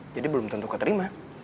jadi belum tentu keterima